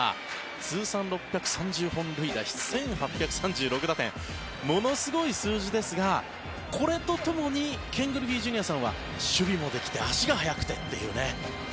通算６３０本塁打、１８３６打点ものすごい数字ですがこれとともにケン・グリフィーＪｒ．さんは守備もできて足が速くてという。